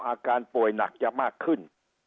อาการป่วยหนักจะมากขึ้น